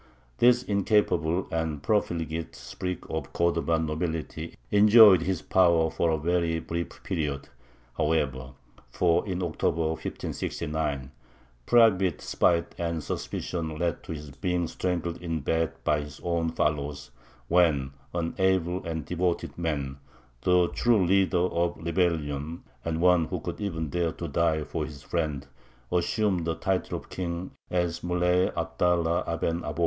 This incapable and profligate sprig of Cordovan nobility enjoyed his power for a very brief period, however; for in October, 1569, private spite and suspicion led to his being strangled in bed by his own followers, when an able and devoted man, the true leader of the rebellion, and one who could even dare to die for his friend, assumed the title of king as Muley Abdallah Aben Abó.